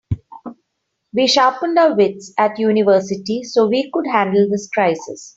We sharpened our wits at university so we could handle this crisis.